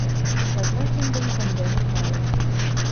— Казна киндым конденыт, маныт.